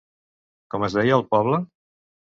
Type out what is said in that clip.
Com es deia el poble?